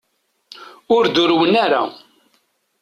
Ur d-urwen ara.